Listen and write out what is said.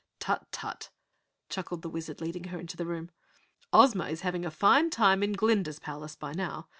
"Tut tut!" chuckled the Wizard, leading her into the room. "Ozma is having a fine time in Glinda's palace, by now.